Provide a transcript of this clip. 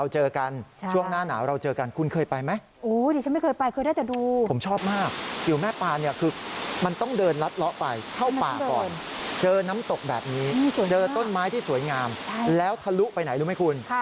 เจอต้นไม้ที่สวยงามแล้วทะลุไปไหนรู้ไหมคุณ